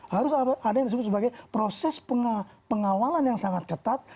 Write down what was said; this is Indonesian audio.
harus ada yang disebut sebagai proses pengawalan yang sangat ketat